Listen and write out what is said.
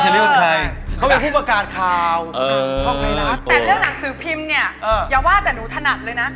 แต่เรื่องหนังสือพิมพ์เนี่ยอย่าว่าแต่หนูถนัดเลยนะ